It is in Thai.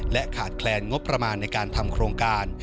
ขาดแคลนงบประมาณในการทำโครงการ